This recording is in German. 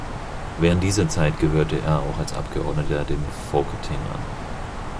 Während dieser Zeit gehörte er auch als Abgeordneter dem Folketing an.